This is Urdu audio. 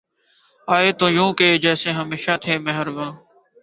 آئے تو یوں کہ جیسے ہمیشہ تھے مہرباں